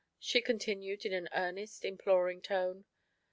she continued, in an earnest, imploring tone.